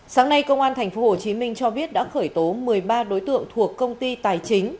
sáng nay công an tp hcm cho biết đã khởi tố một mươi ba đối tượng thuộc công ty tài chính